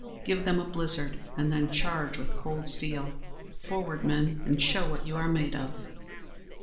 Give them a blizzard and then charge with cold steel! Forward, men, and show what you are made of!"